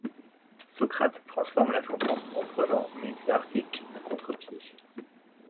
Sócrates transforme la sentence en prenant Młynarczyk à contre-pied.